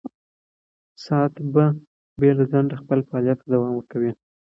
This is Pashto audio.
ساعت به بې له ځنډه خپل فعالیت ته دوام ورکوي.